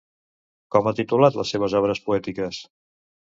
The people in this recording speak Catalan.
Com ha titulat les seves obres poètiques?